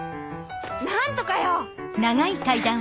何とかよ！